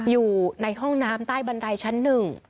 อยู่ในห้องน้ำใต้บันไดชั้นหนึ่ง